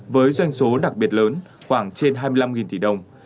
với doanh số đặc biệt lớn khoảng trên hai mươi năm tỷ đồng